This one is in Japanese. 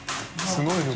すごいの。